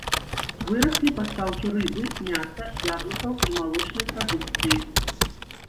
Выраслі пастаўкі рыбы, мяса, яблыкаў і малочнай прадукцыі.